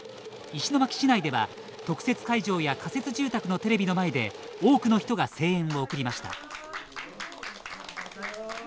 石巻市内では特設会場や仮設住宅のテレビの前で多くの人が声援を送りました。